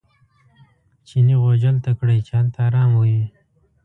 چیني غوجل ته کړئ چې هلته ارام وي.